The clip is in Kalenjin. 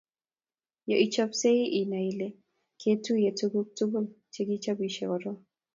Yo ichopisiei inai Ile ketuiye tuguk tugul che kichobisie korok